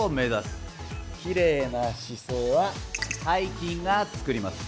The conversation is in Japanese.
きれいな姿勢は背筋が作ります。